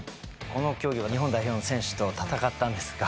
この競技は日本代表の選手と戦ったんですが。